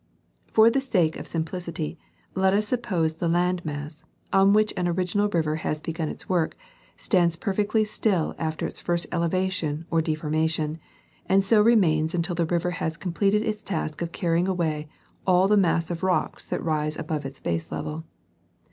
For the sake of simplicity, let us sup pose the land mass, on which an original river has begun its work, stands perfectly still after its first elevation or deformation, and so remains until the river has completed its task of carrying away all the mass of rocks that rise above its baselevel.